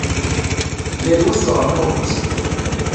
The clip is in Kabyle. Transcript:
Yal wa s uɛerqub-is.